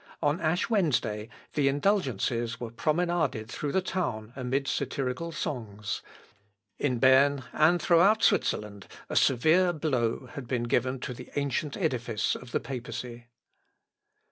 On Ash Wednesday, the indulgences were promenaded through the town amid satirical songs. In Berne, and throughout Switzerland a severe blow had been given to the ancient edifice of the papacy.